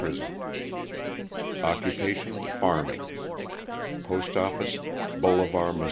prison. Occupation, farming. Postoffice, Bolivar, Mo.